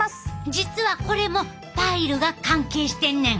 実はこれもパイルが関係してんねん！